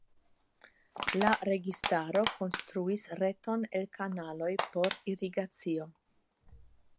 La registaro konstruis reton el kanaloj por irigacio.